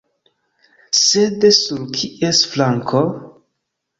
Sed sur kies flanko?